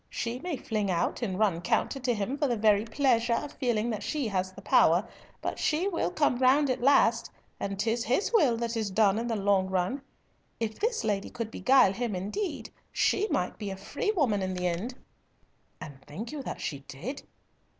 She may fling out, and run counter to him for the very pleasure of feeling that she has the power, but she will come round at last, and 'tis his will that is done in the long run. If this lady could beguile him indeed, she might be a free woman in the end." "And think you that she did?"